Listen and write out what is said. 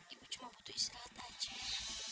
ibu cuma butuh istirahat aja